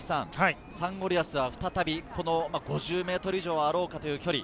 サンゴリアスは再びこの５０ｍ以上はあろうかという距離。